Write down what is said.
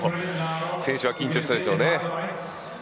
選手は緊張したでしょうね。